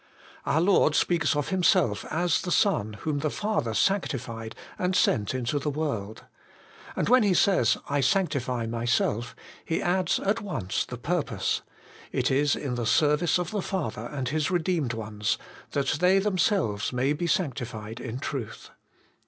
Our Lord speaks of Himself ' as the Son, whom the Father sanctified and sent into the world.' And when He says, ' I sanctify myself,' He adds at once the purpose : it is in the service of the Father and His redeemed ones, 'that they themselves may be sanctified in truth.'